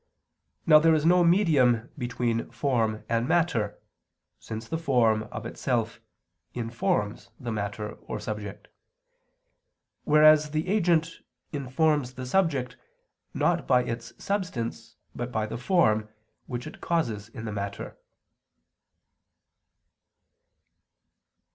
Now there is no medium between form and matter, since the form, of itself, informs the matter or subject; whereas the agent informs the subject, not by its substance, but by the form, which it causes in the matter.